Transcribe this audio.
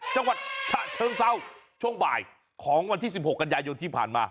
จังหวัดฉะเชิงเศร้าช่วงบ่ายของวันที่๑๖กันยายนที่ผ่านมา